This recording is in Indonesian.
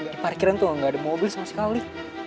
di parkiran tuh gak ada mobil sama sekali